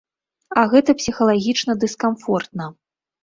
А гэта псіхалагічна дыскамфортна.